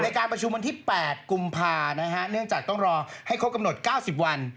การประชุมวันที่๘กุมภานะฮะเนื่องจากต้องรอให้ครบกำหนด๙๐วัน